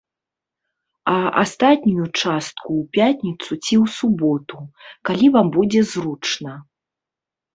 А астатнюю частку ў пятніцу ці ў суботу, калі вам будзе зручна.